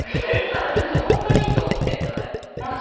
本当にいいと思われてんじゃないの？